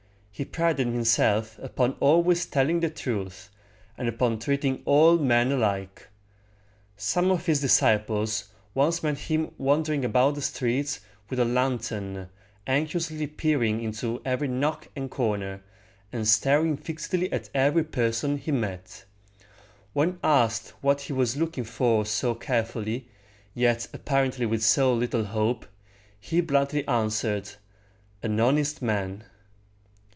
He prided himself upon always telling the truth, and upon treating all men alike. Some of his disciples once met him wandering about the streets with a lantern, anxiously peering into every nook and corner, and staring fixedly at every person he met. When asked what he was looking for so carefully, yet apparently with so little hope, he bluntly answered, "An honest man."